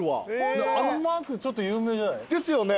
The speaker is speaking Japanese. あのマークちょっと有名じゃない？ですよね。